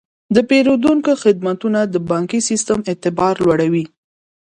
د پیرودونکو خدمتونه د بانکي سیستم اعتبار لوړوي.